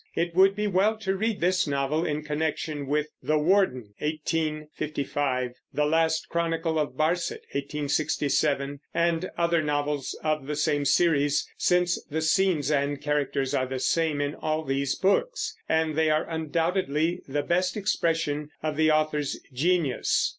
It would be well to read this novel in connection with The Warden (1855), The Last Chronicle of Barset (1867), and other novels of the same series, since the scenes and characters are the same in all these books, and they are undoubtedly the best expression of the author's genius.